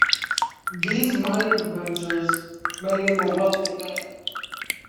These mining ventures made him a wealthy man.